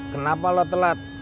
kenapa lo telat